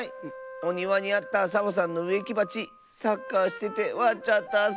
おにわにあったサボさんのうえきばちサッカーしててわっちゃったッス。